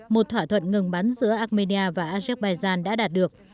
một thỏa thuận ngừng bắn giữa armenia và azerbaijan đã đạt được